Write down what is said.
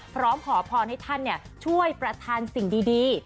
พร้อมขอพรให้ท่านช่วยประธานสิ่งดี